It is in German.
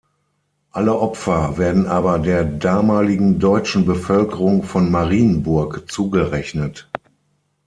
Alle Opfer werden aber der damaligen deutschen Bevölkerung von Marienburg zugerechnet.